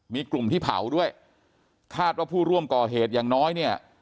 มีกลุ่มที่เผาด้วยคาดว่าผู้ร่วมก่อเหตุอย่างน้อยเนี่ย